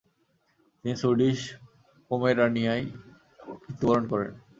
তিনি সুইডিশ পোমেরানিয়ায় মৃত্যুবরণ করেন।